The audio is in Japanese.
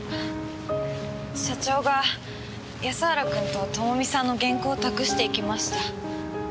社長が安原君と朋美さんの原稿を託していきました。